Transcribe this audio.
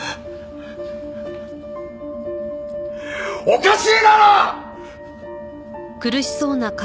おかしいだろ！！